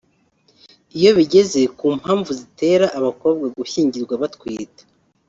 Iyo bigeze ku mpamvu zitera abakobwa gushyingirwa batwite